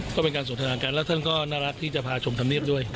ก็เป็นการสนทนากันแล้วท่านก็น่ารักที่จะพาชมธรรมเนียบด้วย